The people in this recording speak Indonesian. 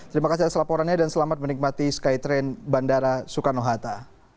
terima kasih atas laporannya dan selamat menikmati skytrain bandara soekarno hatta